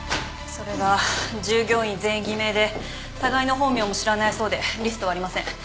それが従業員全員偽名で互いの本名も知らないそうでリストはありません。